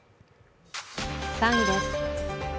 ３位です。